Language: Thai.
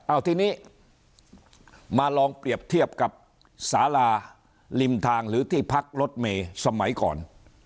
เอาทีนี้มาลองเปรียบเทียบกับสาราริมทางหรือที่พักรถเมย์สมัยก่อน